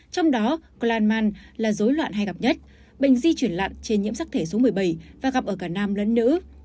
trong đó clanman là dối loạn hay gặp nhất bệnh di chuyển lặn trên nhiễm sắc thể số một mươi bảy và gặp ở cả nam lẫn nữ